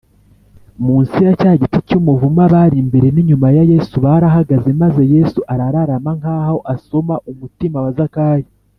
munsi ya cya giti cy’umuvumu, abari imbere n’inyuma ya yesu barahagaze, maze yesu arararama nk’aho asoma umutima wa zakayo